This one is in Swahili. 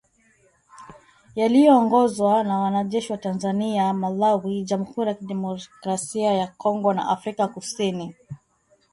yaliyoongozwa na wanajeshi wa Tanzania Malawi jamhuri ya kidemokrasia ya Kongo na Afrika kusini